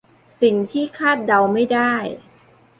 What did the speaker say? สิ่งที่คาดเดาไม่ได้